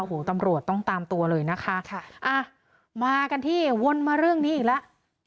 หัวตำรวจต้องตามตัวเลยนะคะมากันที่วนมาเรื่องนี้อีกแล้ว